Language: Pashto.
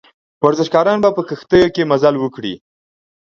ورزشکاران به په کښتیو کې مزل وکړي.